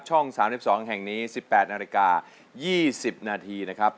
ช่อง๓๒แห่งนี้๑๘นาฬิกา๒๐นาทีนะครับ